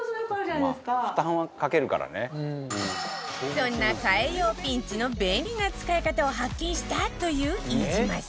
そんな替え用ピンチの便利な使い方を発見したという飯島さん